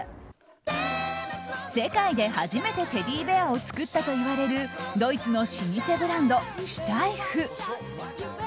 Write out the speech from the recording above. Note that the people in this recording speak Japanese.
世界で初めてテディベアを作ったといわれるドイツの老舗ブランドシュタイフ。